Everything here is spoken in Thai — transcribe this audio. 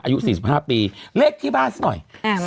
อายุ๔๕ปีเลขที่บ้านซะหน่อย